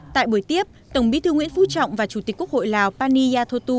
tại buổi tiếp tổng bí thư nguyễn phú trọng và chủ tịch quốc hội lào pani yatutu bày tỏ